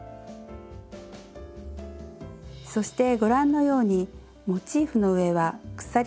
そしてご覧のようにモチーフの上は鎖８目と細編み１目。